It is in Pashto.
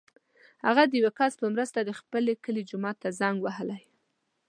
هغه د یو کس په مرسته د خپل کلي جومات ته زنګ وهلی.